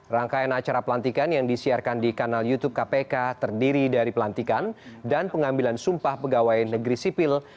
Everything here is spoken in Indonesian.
rangkaian acara pelantikan yang disiarkan di kanal youtube kpk terdiri dari pelantikan dan pengambilan sumpah pegawai negeri sipil